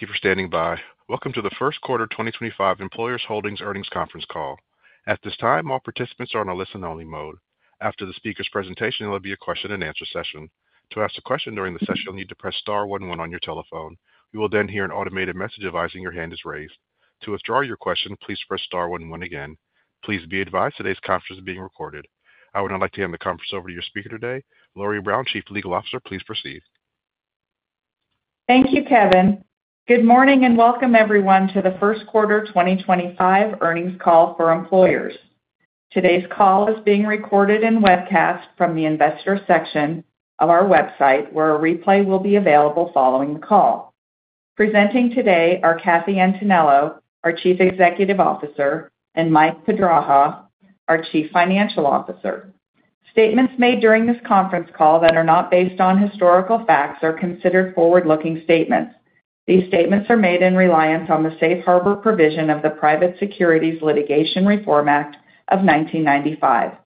Thank you for standing by. Welcome to the 1st quarter 2025 Employers Holdings Earnings Conference Call. At this time, all participants are on a listen-only mode. After the speaker's presentation, there will be a question-and-answer session. To ask a question during the session, you'll need to press star one one on your telephone. You will then hear an automated message advising your hand is raised. To withdraw your question, please press star one one again. Please be advised today's conference is being recorded. I would now like to hand the conference over to your speaker today, Lori Brown, Chief Legal Officer. Please proceed. Thank you, Kevin. Good morning and welcome, everyone, to the 1st quarter 2025 earnings call for Employers. Today's call is being recorded and webcast from the investor section of our website, where a replay will be available following the call. Presenting today are Kathy Antonello, our Chief Executive Officer, and Mike Pedraja, our Chief Financial Officer. Statements made during this conference call that are not based on historical facts are considered forward-looking statements. These statements are made in reliance on the safe harbor provision of the Private Securities Litigation Reform Act of 1995.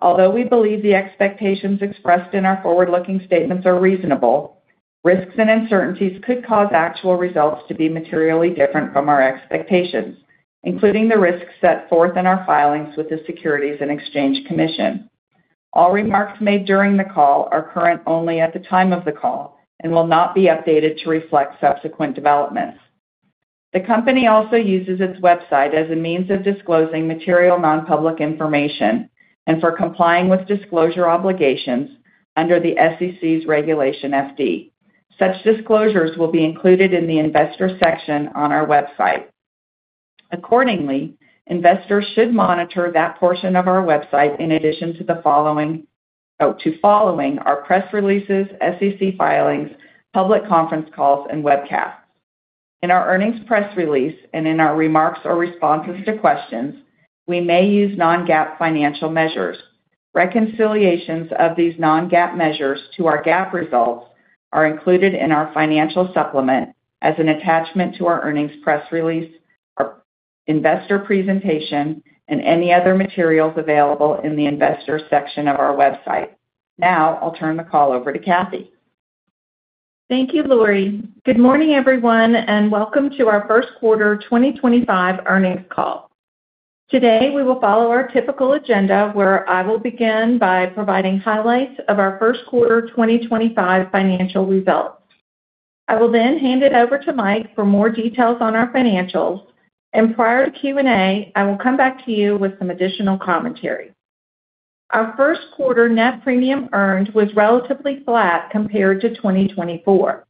Although we believe the expectations expressed in our forward-looking statements are reasonable, risks and uncertainties could cause actual results to be materially different from our expectations, including the risks set forth in our filings with the Securities and Exchange Commission. All remarks made during the call are current only at the time of the call and will not be updated to reflect subsequent developments. The company also uses its website as a means of disclosing material nonpublic information and for complying with disclosure obligations under the SEC's Regulation FD. Such disclosures will be included in the investor section on our website. Accordingly, investors should monitor that portion of our website in addition to following our press releases, SEC filings, public conference calls, and webcasts. In our earnings press release and in our remarks or responses to questions, we may use non-GAAP financial measures. Reconciliations of these non-GAAP measures to our GAAP results are included in our financial supplement as an attachment to our earnings press release, our investor presentation, and any other materials available in the investor section of our website. Now I'll turn the call over to Kathy. Thank you, Lori. Good morning, everyone, and welcome to our 1st quarter 2025 Earnings Call. Today, we will follow our typical agenda, where I will begin by providing highlights of our 1st quarter 2025 financial results. I will then hand it over to Mike for more details on our financials. Prior to Q&A, I will come back to you with some additional commentary. Our 1st quarter net premium earned was relatively flat compared to 2024.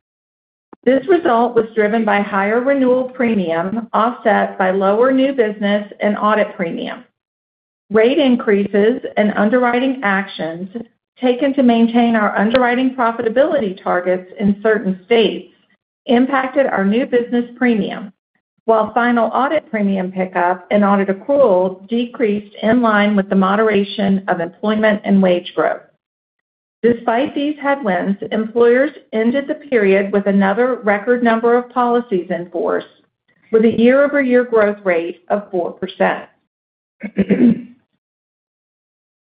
This result was driven by higher renewal premium offset by lower new business and audit premium. Rate increases and underwriting actions taken to maintain our underwriting profitability targets in certain states impacted our new business premium, while final audit premium pickup and audit accrual decreased in line with the moderation of employment and wage growth. Despite these headwinds, Employers ended the period with another record number of policies in force, with a year-over-year growth rate of 4%.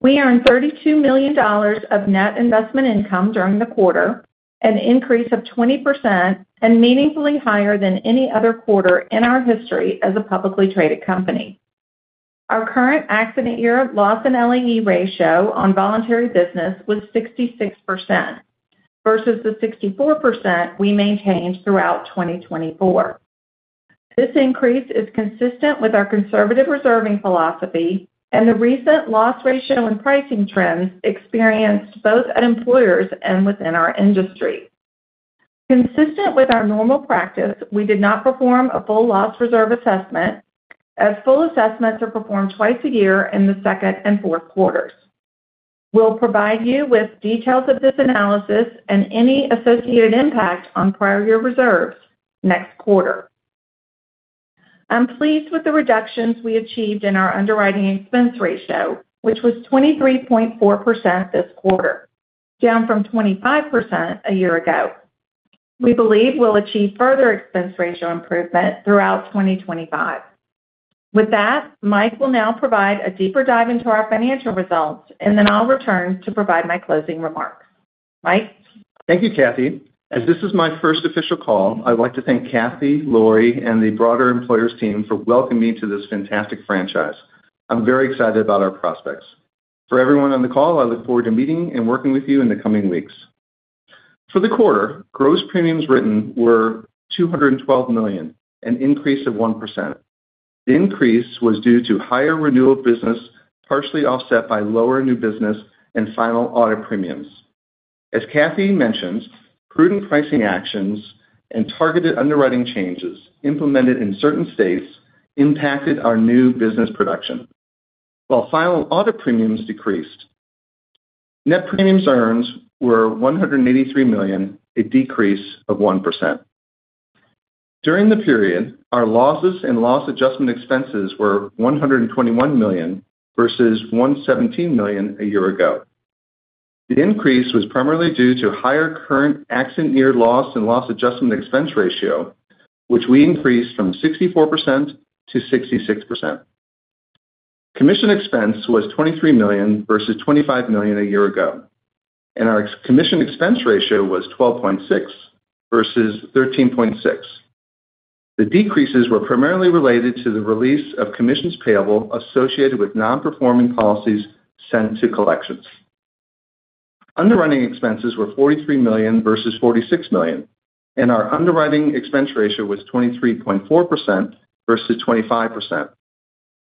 We earned $32 million of net investment income during the quarter, an increase of 20% and meaningfully higher than any other quarter in our history as a publicly traded company. Our current accident year loss and LAE ratio on voluntary business was 66% versus the 64% we maintained throughout 2024. This increase is consistent with our conservative reserving philosophy, and the recent loss ratio and pricing trends experienced both at Employers and within our industry. Consistent with our normal practice, we did not perform a full loss reserve assessment, as full assessments are performed twice a year in the 2nd and 4th quarters. We'll provide you with details of this analysis and any associated impact on prior year reserves next quarter. I'm pleased with the reductions we achieved in our underwriting expense ratio, which was 23.4% this quarter, down from 25% a year ago. We believe we'll achieve further expense ratio improvement throughout 2025. With that, Mike will now provide a deeper dive into our financial results, and then I'll return to provide my closing remarks. Mike. Thank you, Kathy. As this is my first official call, I'd like to thank Kathy, Lori, and the broader Employers team for welcoming me to this fantastic franchise. I'm very excited about our prospects. For everyone on the call, I look forward to meeting and working with you in the coming weeks. For the quarter, gross premiums written were $212 million, an increase of 1%. The increase was due to higher renewal business partially offset by lower new business and final audit premiums. As Kathy mentioned, prudent pricing actions and targeted underwriting changes implemented in certain states impacted our new business production. While final audit premiums decreased, net premiums earned were $183 million, a decrease of 1%. During the period, our losses and loss adjustment expenses were $121 million versus $117 million a year ago. The increase was primarily due to higher current accident year loss and loss adjustment expense ratio, which we increased from 64%-66%. Commission expense was $23 million versus $25 million a year ago, and our commission expense ratio was 12.6% versus 13.6%. The decreases were primarily related to the release of commissions payable associated with nonperforming policies sent to collections. Underwriting expenses were $43 million versus $46 million, and our underwriting expense ratio was 23.4% versus 25%.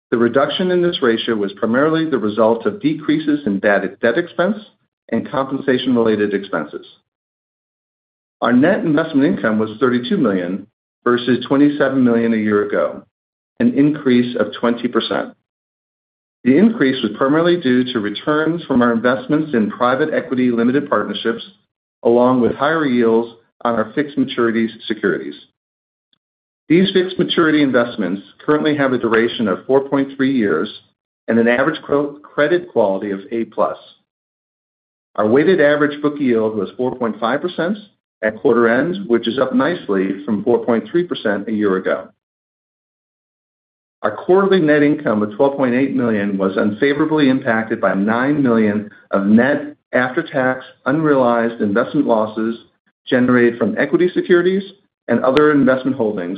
The reduction in this ratio was primarily the result of decreases in bad debt expense and compensation-related expenses. Our net investment income was $32 million versus $27 million a year ago, an increase of 20%. The increase was primarily due to returns from our investments in private equity limited partnerships, along with higher yields on our fixed maturities securities. These fixed maturity investments currently have a duration of 4.3 years and an average credit quality of A-plus. Our weighted average book yield was 4.5% at quarter end, which is up nicely from 4.3% a year ago. Our quarterly net income of $12.8 million was unfavorably impacted by $9 million of net after-tax unrealized investment losses generated from equity securities and other investment holdings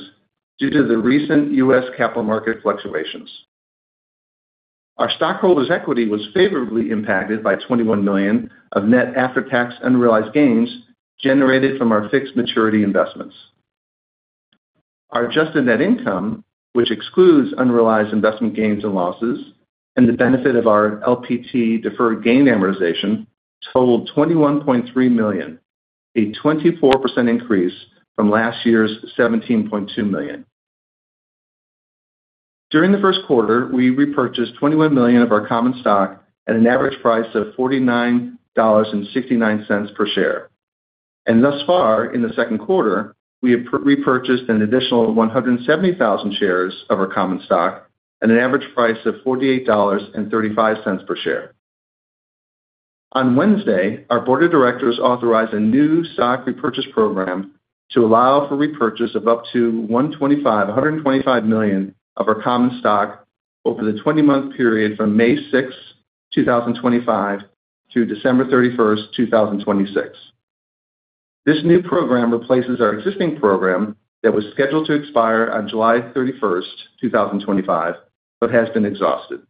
due to the recent U.S. capital market fluctuations. Our stockholders' equity was favorably impacted by $21 million of net after-tax unrealized gains generated from our fixed maturity investments. Our adjusted net income, which excludes unrealized investment gains and losses and the benefit of our LPT deferred gain amortization, totaled $21.3 million, a 24% increase from last year's $17.2 million. During the 1st quarter, we repurchased $21 million of our common stock at an average price of $49.69 per share. Thus far, in the 2nd quarter, we have repurchased an additional 170,000 shares of our common stock at an average price of $48.35 per share. On Wednesday, our board of directors authorized a new stock repurchase program to allow for repurchase of up to $125 million of our common stock over the 20-month period from May 6th, 2025, to December 31st, 2026. This new program replaces our existing program that was scheduled to expire on July 31st, 2025, but has been exhausted.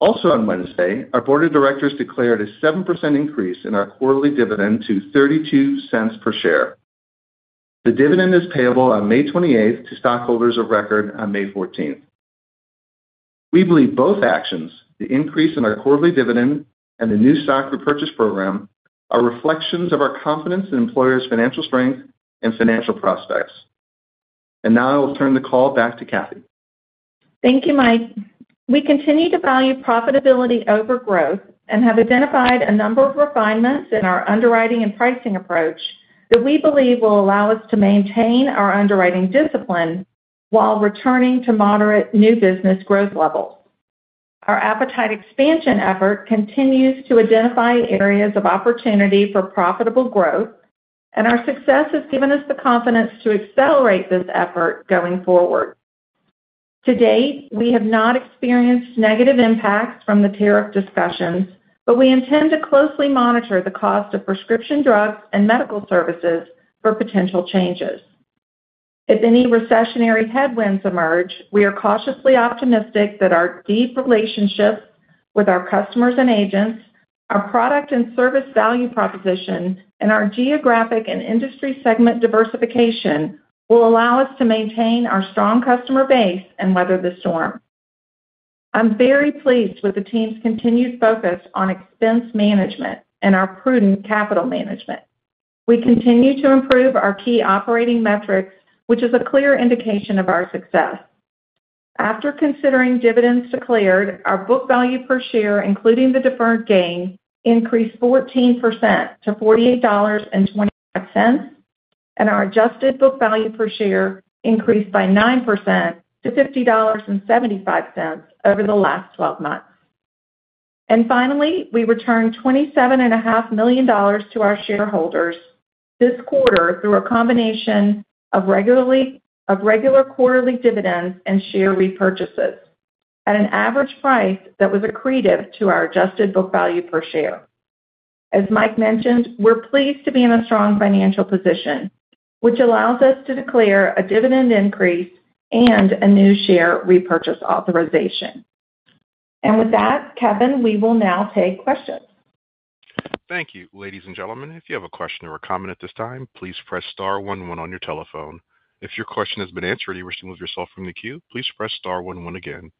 Also on Wednesday, our board of directors declared a 7% increase in our quarterly dividend to $0.32 per share. The dividend is payable on May 28 to stockholders of record on May 14. We believe both actions, the increase in our quarterly dividend and the new stock repurchase program, are reflections of our confidence in Employers' financial strength and financial prospects. I will turn the call back to Kathy. Thank you, Mike. We continue to value profitability over growth and have identified a number of refinements in our underwriting and pricing approach that we believe will allow us to maintain our underwriting discipline while returning to moderate new business growth levels. Our appetite expansion effort continues to identify areas of opportunity for profitable growth, and our success has given us the confidence to accelerate this effort going forward. To date, we have not experienced negative impacts from the tariff discussions, but we intend to closely monitor the cost of prescription drugs and medical services for potential changes. If any recessionary headwinds emerge, we are cautiously optimistic that our deep relationships with our customers and agents, our product and service value proposition, and our geographic and industry segment diversification will allow us to maintain our strong customer base and weather the storm. I'm very pleased with the team's continued focus on expense management and our prudent capital management. We continue to improve our key operating metrics, which is a clear indication of our success. After considering dividends declared, our book value per share, including the deferred gain, increased 14% to $48.25, and our adjusted book value per share increased by 9% to $50.75 over the last 12 months. Finally, we returned $27.5 million to our shareholders this quarter through a combination of regular quarterly dividends and share repurchases at an average price that was accretive to our adjusted book value per share. As Mike mentioned, we're pleased to be in a strong financial position, which allows us to declare a dividend increase and a new share repurchase authorization. With that, Kevin, we will now take questions. Thank you, ladies and gentlemen. If you have a question or a comment at this time, please press star one one on your telephone. If your question has been answered and you wish to move yourself from the queue, please press star one one again.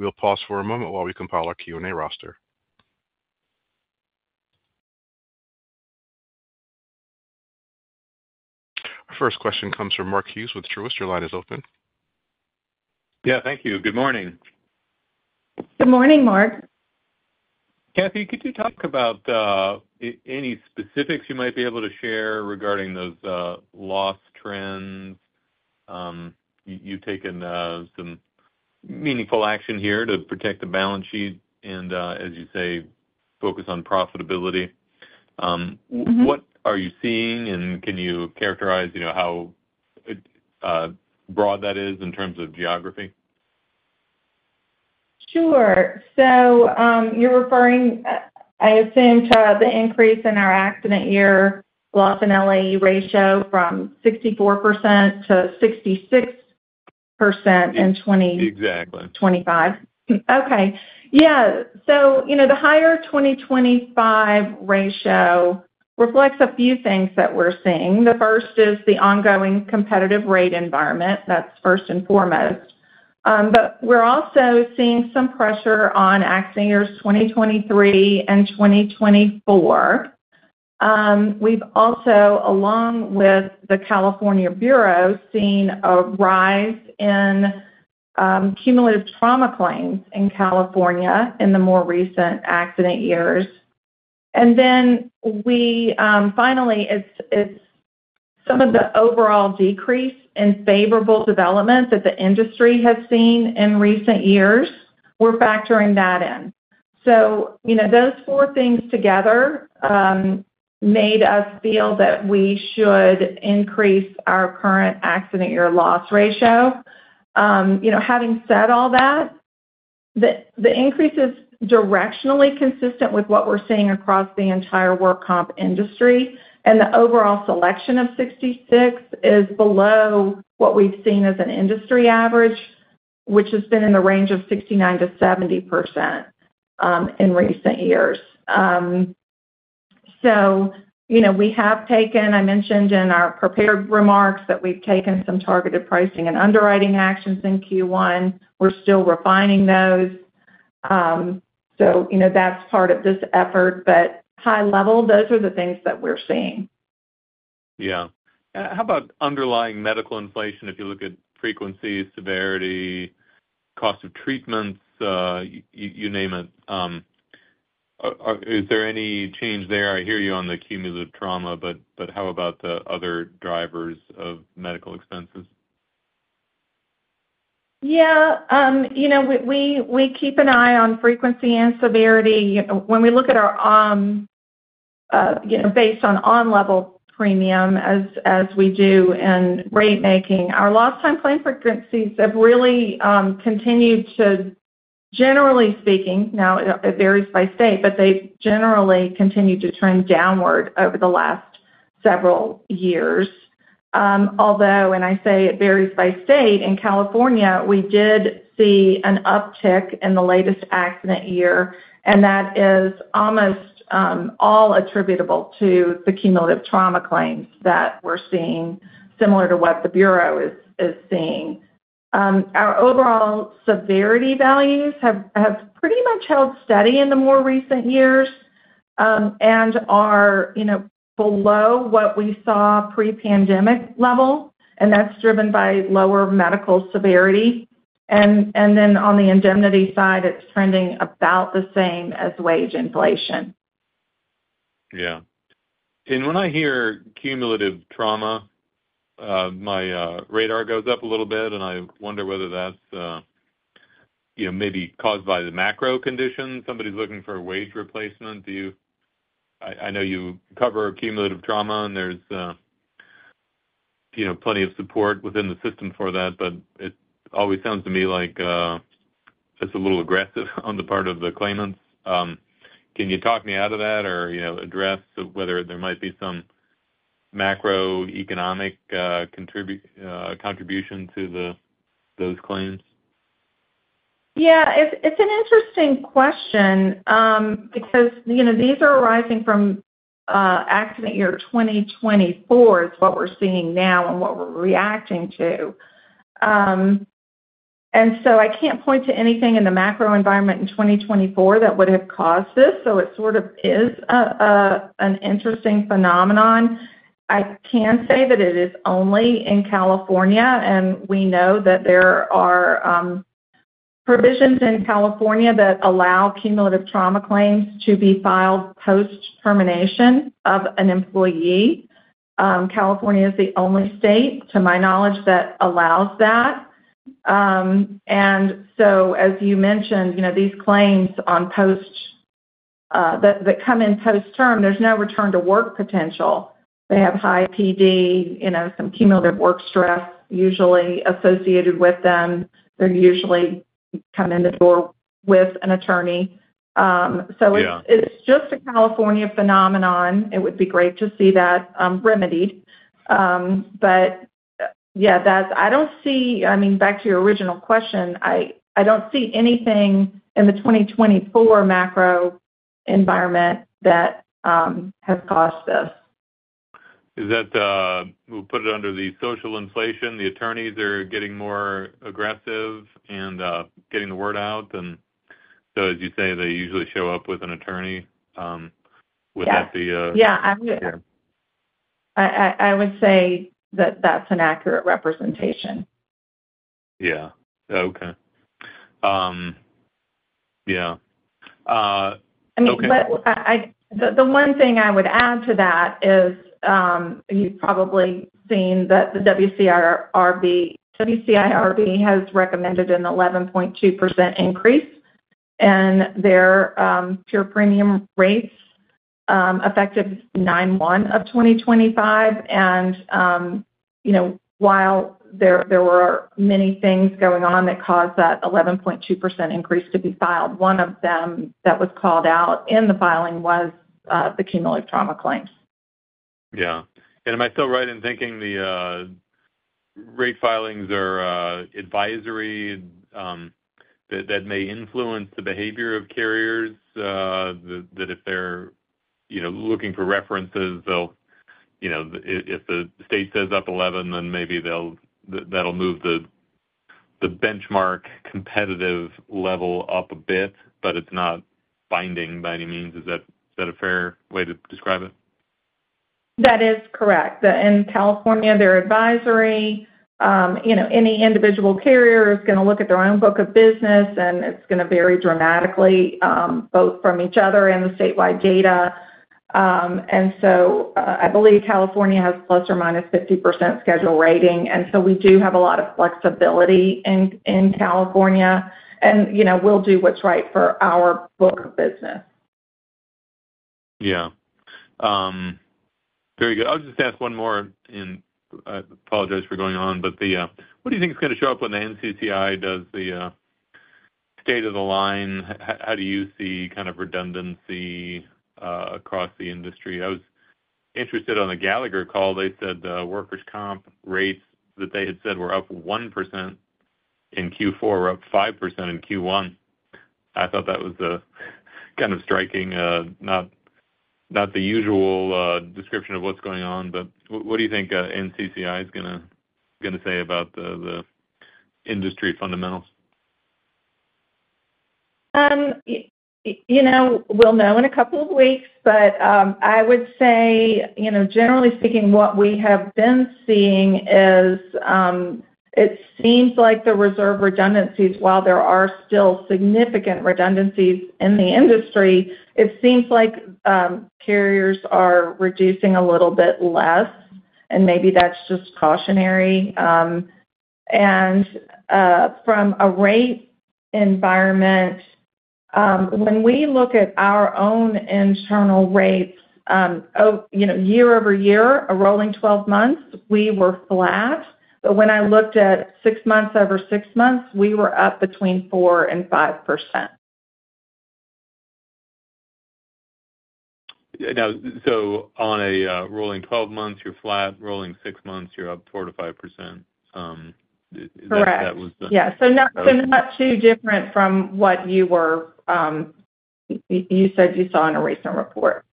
We'll pause for a moment while we compile our Q&A roster. Our first question comes from Mark Hughes with Truist. Your line is open. Yeah, thank you. Good morning. Good morning, Mark. Kathy, could you talk about any specifics you might be able to share regarding those loss trends? You've taken some meaningful action here to protect the balance sheet and, as you say, focus on profitability. What are you seeing, and can you characterize how broad that is in terms of geography? Sure. So you're referring, I assume, to the increase in our accident year loss and LAE ratio from 64%-66% in 2025. Exactly. Okay. Yeah. The higher 2025 ratio reflects a few things that we're seeing. The first is the ongoing competitive rate environment. That's first and foremost. We're also seeing some pressure on accident years 2023 and 2024. We've also, along with the California Bureau, seen a rise in cumulative trauma claims in California in the more recent accident years. Finally, it's some of the overall decrease in favorable developments that the industry has seen in recent years. We're factoring that in. Those four things together made us feel that we should increase our current accident year loss ratio. Having said all that, the increase is directionally consistent with what we're seeing across the entire work comp industry, and the overall selection of 66% is below what we've seen as an industry average, which has been in the range of 69%-70% in recent years. We have taken, I mentioned in our prepared remarks, that we've taken some targeted pricing and underwriting actions in Q1. We're still refining those. That's part of this effort. High level, those are the things that we're seeing. Yeah. How about underlying medical inflation? If you look at frequency, severity, cost of treatments, you name it, is there any change there? I hear you on the cumulative trauma, but how about the other drivers of medical expenses? Yeah. We keep an eye on frequency and severity. When we look at our based on on-level premium, as we do in rate-making, our lost-time claim frequencies have really continued to, generally speaking, now it varies by state, but they've generally continued to trend downward over the last several years. Although, and I say it varies by state, in California, we did see an uptick in the latest accident year, and that is almost all attributable to the cumulative trauma claims that we're seeing, similar to what the Bureau is seeing. Our overall severity values have pretty much held steady in the more recent years and are below what we saw pre-pandemic level, and that's driven by lower medical severity. Then on the indemnity side, it's trending about the same as wage inflation. Yeah. When I hear cumulative trauma, my radar goes up a little bit, and I wonder whether that's maybe caused by the macro condition. Somebody's looking for wage replacement. I know you cover cumulative trauma, and there's plenty of support within the system for that, but it always sounds to me like it's a little aggressive on the part of the claimants. Can you talk me out of that or address whether there might be some macroeconomic contribution to those claims? Yeah. It's an interesting question because these are arising from accident year 2024 is what we're seeing now and what we're reacting to. I can't point to anything in the macro environment in 2024 that would have caused this. It sort of is an interesting phenomenon. I can say that it is only in California, and we know that there are provisions in California that allow cumulative trauma claims to be filed post-termination of an employee. California is the only state, to my knowledge, that allows that. As you mentioned, these claims that come in post-term, there's no return-to-work potential. They have high PD, some cumulative work stress usually associated with them. They usually come in the door with an attorney. It's just a California phenomenon. It would be great to see that remedied. Yeah, I don't see—I mean, back to your original question, I don't see anything in the 2024 macro environment that has caused this. Is that we'll put it under the social inflation. The attorneys are getting more aggressive and getting the word out. As you say, they usually show up with an attorney without the— Yeah. I would say that that's an accurate representation. Yeah. Okay. Yeah. I mean, the one thing I would add to that is you've probably seen that the WCIRB has recommended an 11.2% increase in their pure premium rates effective September 1 of 2025. While there were many things going on that caused that 11.2% increase to be filed, one of them that was called out in the filing was the cumulative trauma claims. Yeah. Am I still right in thinking the rate filings are advisory that may influence the behavior of carriers, that if they're looking for references, if the state says up 11, then maybe that'll move the benchmark competitive level up a bit, but it's not binding by any means? Is that a fair way to describe it? That is correct. In California, they're advisory. Any individual carrier is going to look at their own book of business, and it's going to vary dramatically both from each other and the statewide data. I believe California has plus or minus 50% schedule rating. We do have a lot of flexibility in California, and we'll do what's right for our book of business. Yeah. Very good. I'll just ask one more and apologize for going on, but what do you think is going to show up when the NCCI does the state of the line? How do you see kind of redundancy across the industry? I was interested on the Gallagher call. They said the workers' comp rates that they had said were up 1% in Q4 were up 5% in Q1. I thought that was kind of striking, not the usual description of what's going on. What do you think NCCI is going to say about the industry fundamentals? We'll know in a couple of weeks, but I would say, generally speaking, what we have been seeing is it seems like the reserve redundancies, while there are still significant redundancies in the industry, it seems like carriers are reducing a little bit less, and maybe that's just cautionary. From a rate environment, when we look at our own internal rates, year-over-year, a rolling 12 months, we were flat. When I looked at six months over six months, we were up between 4% and 5%. On a rolling 12 months, you're flat. Rolling six months, you're up 4%-5%. Is that what that was? Correct. Yeah. Not too different from what you said you saw in a recent report.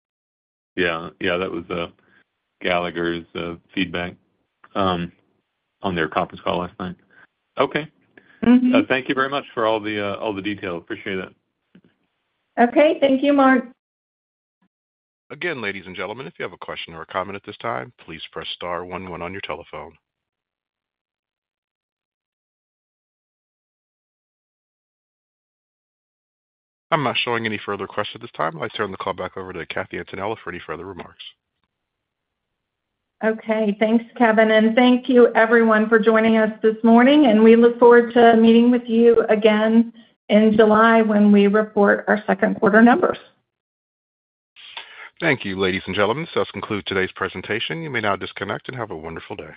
Yeah. Yeah. That was Gallagher's feedback on their conference call last night. Okay. Thank you very much for all the detail. Appreciate it. Okay. Thank you, Mark. Again, ladies and gentlemen, if you have a question or a comment at this time, please press star one one on your telephone. I'm not showing any further questions at this time. I turn the call back over to Kathy Antonello for any further remarks. Okay. Thanks, Kevin. Thank you, everyone, for joining us this morning. We look forward to meeting with you again in July when we report our 2nd quarter numbers. Thank you, ladies and gentlemen. That concludes today's presentation. You may now disconnect and have a wonderful day.